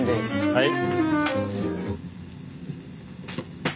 はい。